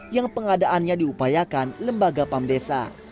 yang pengadaannya diupayakan lembaga pamdesa